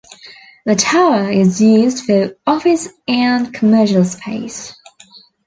The tower is used for office and commercial space.